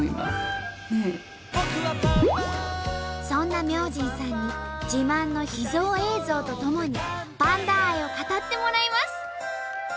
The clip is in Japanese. そんな明神さんに自慢の秘蔵映像とともにパンダ愛を語ってもらいます。